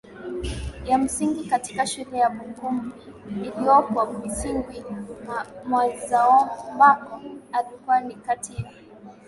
ya msingi katika shule ya Bukumbi iliyopo misungwi Mwanzaambako alikuwa ni kati ya